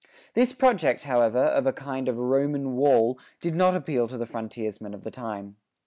"[40:4] This project, however, of a kind of Roman Wall did not appeal to the frontiersmen of the time.